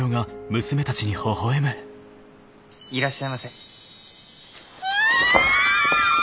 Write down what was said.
いらっしゃいませ。